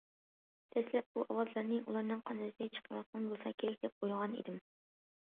دەسلەپ بۇ ئاۋازلارنى ئۇلارنىڭ قانىتى چىقىرىۋاتقان بولسا كېرەك، دەپ ئويلىغان ئىدىم.